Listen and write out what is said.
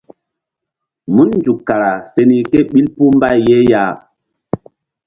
Mun nzuk kara se ni ké ɓil puh mbay ye ya.